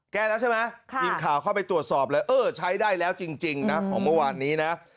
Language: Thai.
แก้แล้วใช่ไหมทีมข่าวเข้าไปตรวจสอบเลยเออใช้ได้แล้วจริงนะของเมื่อวานนี้นะ